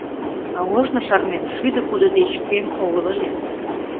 А ожно, шарнем, шӱдӧ кудо деч кӧм огыл ыле.